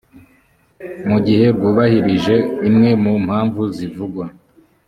mu gihe rwubahirije imwe mu mpamvu zivugwa